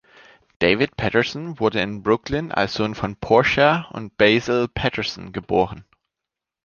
David Paterson wurde in Brooklyn als Sohn von Portia und Basil Paterson geboren.